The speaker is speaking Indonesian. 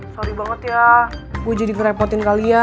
sorry banget ya gue jadi ngerepotin kalian